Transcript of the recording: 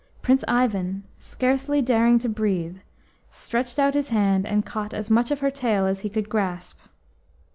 Prince Ivan, scarcely daring to breathe, stretched out his hand and caught as much of her tail as he could grasp.